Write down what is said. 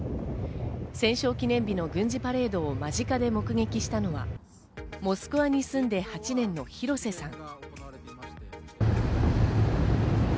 戦勝記念日の軍事パレードを間近で目撃したのは、モスクワに住んで８年の廣瀬さん。